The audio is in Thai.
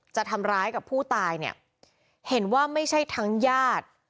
จะทำร้ายกับผู้ตายเนี่ยเห็นว่าไม่ใช่ทั้งญาติ